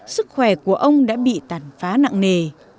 sức khỏe của ông đã bị tàn phá nặng nề